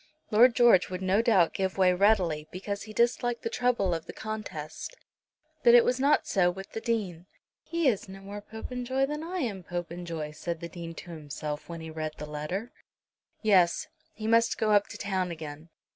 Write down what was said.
Lord George would no doubt give way readily, because he disliked the trouble of the contest. But it was not so with the Dean. "He is no more Popenjoy than I am Popenjoy," said the Dean to himself when he read the letter. Yes; he must go up to town again.